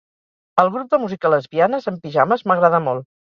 El grup de música Les Bianes en Pijames m'agrada molt